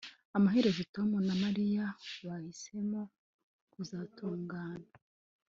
amaherezo tom na mariya bahisemo gutandukana